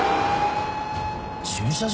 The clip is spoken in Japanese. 駐車場？